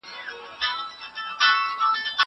هغه وويل چي موبایل کارول مهم دي!!